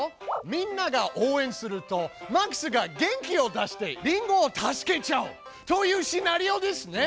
みんなが応援するとマックスが元気をだしてリンゴを助けちゃうというシナリオですね！